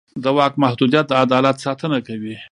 د واک محدودیت د عدالت ساتنه کوي